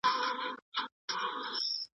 تاریخ یې نوم